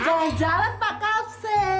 jalan jalan pak kapsen